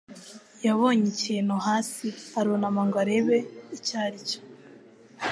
yabonye ikintu hasi arunama ngo arebe icyo aricyo.